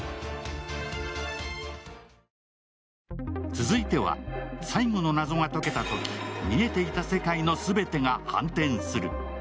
続いては最後の謎が解けたとき、見えていた世界の全てが反転する。